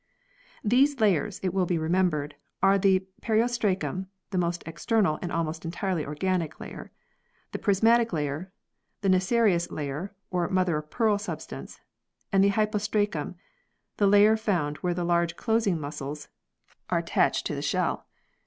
These layers, it will be remembered, are the periostracum (the most external, almost entirely organic layer), the prismatic layer, the nacreous layer (or mother of pearl substance), and the hypostracum (the layer found where the large closing muscles are 56 PEARLS [CH. attached to the shell).